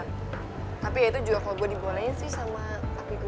tapi ya itu juga kalau gue dibolehin sih sama tapi gue